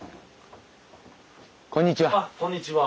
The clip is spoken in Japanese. こんにちは。